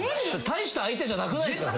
大した相手じゃなくないですか。